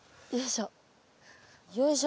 よいしょ。